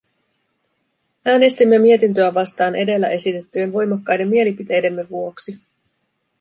Äänestimme mietintöä vastaan edellä esitettyjen voimakkaiden mielipiteidemme vuoksi.